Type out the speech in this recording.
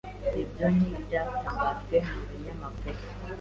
ibyo ni byatangajwe mu binyamakuru.